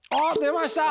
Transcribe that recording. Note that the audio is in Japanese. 出ました！